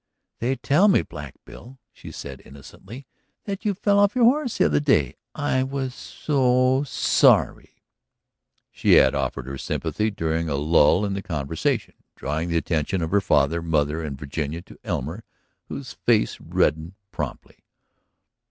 "They tell me, Black Bill," she said innocently, "that you fell off your horse yesterday. I was so sorry." She had offered her sympathy during a lull in the conversation, drawing the attention of her father, mother, and Virginia to Elmer, whose face reddened promptly.